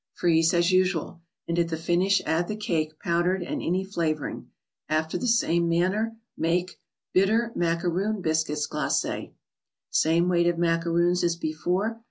Freeze as usual, and at the finish add the cake, powdered, and any flavoring. After the same manner make fitter Macaroon Btecitttg <0lacc$. Same weight of macaroons as before.